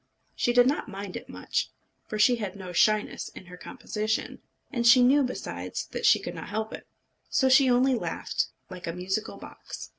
She did not mind it much; for she had no shyness in her composition; and she knew, besides, that she could not help it. So she only laughed, like a musical box.